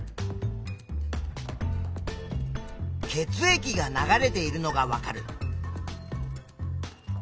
血液が流れているのがわかる。